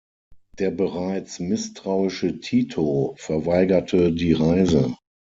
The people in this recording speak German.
Der bereits misstrauische Tito verweigerte die Reise.